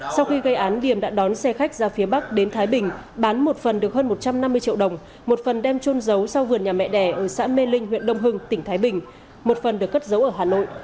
sau khi gây án điểm đã đón xe khách ra phía bắc đến thái bình bán một phần được hơn một trăm năm mươi triệu đồng một phần đem trôn giấu sau vườn nhà mẹ đẻ ở xã mê linh huyện đông hưng tỉnh thái bình một phần được cất giấu ở hà nội